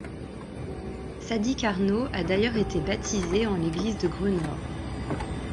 Sadi Carnot a d'ailleurs été baptisé en l'église de Grenord.